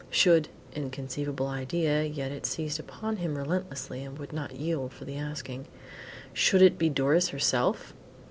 Should (inconceivable idea, yet it seized upon him relentlessly and would not yield for the asking) should it be Doris herself!